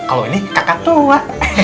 kalau ini kakak tua